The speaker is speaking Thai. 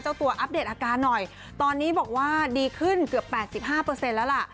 เจ้าตัวอัปเดตอาการหน่อยตอนนี้บอกว่าดีขึ้นเกือบเป็นสิบห้าเปอร์เซ็นต์แล้วแหละ